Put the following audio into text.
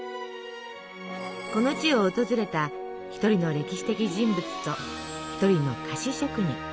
この地を訪れた一人の歴史的人物と一人の菓子職人。